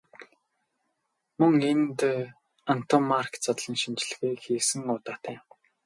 Мөн энд Антоммарки задлан шинжилгээ хийсэн удаатай.